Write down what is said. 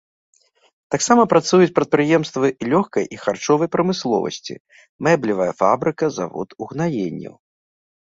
Таксама працуюць прадпрыемствы лёгкай і харчовай прамысловасці, мэблевая фабрыка, завод угнаенняў.